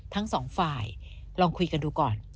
ทั้งสองฝ่ายลองคุยกันดูก่อน